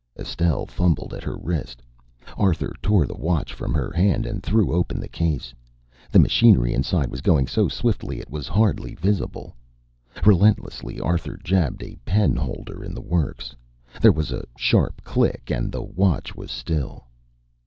Estelle fumbled at her wrist. Arthur tore the watch from her hand and threw open the case. The machinery inside was going so swiftly it was hardly visible; Relentlessly, Arthur jabbed a penholder in the works. There was a sharp click, and the watch was still.